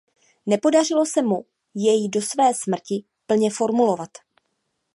Nepodařilo se mu jej do své smrti plně formulovat.